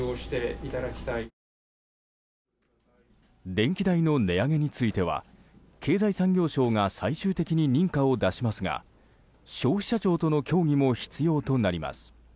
電気代の値上げについては経済産業省が最終的に認可を出しますが消費者庁との協議も必要となります。